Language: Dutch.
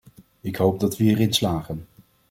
Ik hoop dat we hierin slagen.